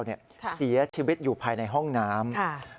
เกี่ยวให้เสียชีวิตอยู่ภายในห้องน้ำ